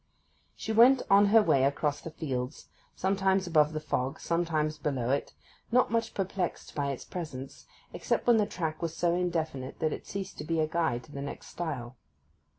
She went on her way across the fields, sometimes above the fog, sometimes below it, not much perplexed by its presence except when the track was so indefinite that it ceased to be a guide to the next stile.